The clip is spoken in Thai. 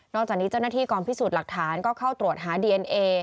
จากนี้เจ้าหน้าที่กองพิสูจน์หลักฐานก็เข้าตรวจหาดีเอนเอ